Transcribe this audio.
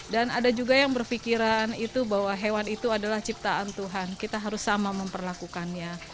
dan ada juga yang berpikiran bahwa hewan itu adalah ciptaan tuhan kita harus sama memperlakukannya